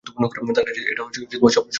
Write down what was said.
তার কাছে এটা স্বপ্নের মত মনে হয়।